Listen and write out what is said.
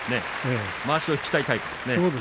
まわしを引きたいタイプですね。